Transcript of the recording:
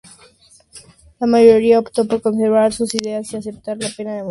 La mayoría optó con conservar sus ideas y aceptar la pena de muerte.